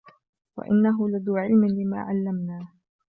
وَإِنَّهُ لَذُو عِلْمٍ لِمَا عَلَّمْنَاهُ